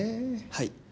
はい。